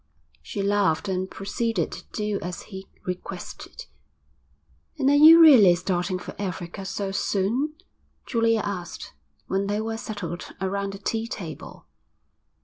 She laughed and proceeded to do as he requested. 'And are you really starting for Africa so soon?' Julia asked, when they were settled around the tea table.